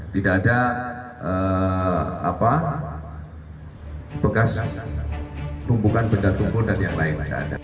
tidak ada bekas rumpukan benda tunggu dan yang lain